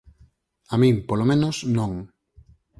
A min, polo menos, non.